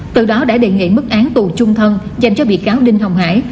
từ đó đã đề nghị mức án tù chung thân dành cho bị cáo đinh hồng hải